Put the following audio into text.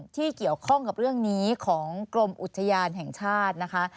ที่เกี่ยวข้องกับเรื่องนี้ของกรมอุทยานแห่งชาตินะคะ